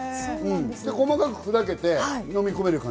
細かく砕けて飲み込める感じ。